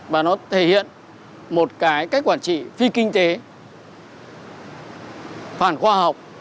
và nó thể hiện một cái cách quản trị phi kinh tế phản khoa học